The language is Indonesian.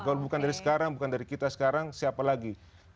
kalau bukan dari sekarang bukan dari kita sekarang siapa lagi